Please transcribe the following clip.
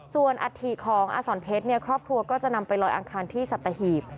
ส่วนอัฐิของอสอนเพชรครอบครัวก็จะนำไปลอยอังคารที่สัตหีบ